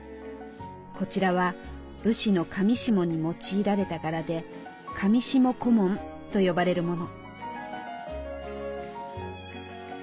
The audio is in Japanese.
こちらは武士の裃に用いられた柄で裃小紋と呼ばれるもの。